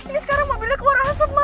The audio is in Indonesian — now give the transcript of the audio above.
ini sekarang mobilnya keluar asap